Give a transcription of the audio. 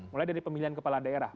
mulai dari pemilihan kepala daerah